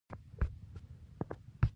د کندهار ناميان خلک دي.